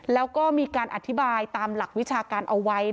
แล้วก็มีการอธิบายตามหลักวิชาการเอาไว้